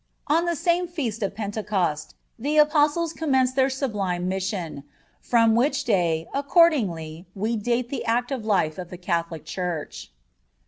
On the same Feast of Pentecost the Apostles commenced their sublime mission, from which day, accordingly, we date the active life of the Catholic Church.